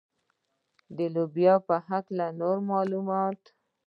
د لوبیا په هکله نور معلومات.